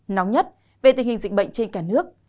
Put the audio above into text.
nóng nhất về tình hình dịch bệnh trên cả nước